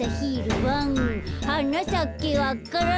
「はなさけわか蘭」